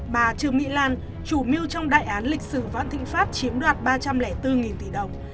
bà trương mỹ lan chủ mưu trong đại án lịch sử võãn thịnh pháp chiếm đoạt ba trăm linh bốn tỷ đồng